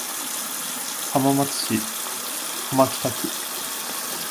浜松市浜北区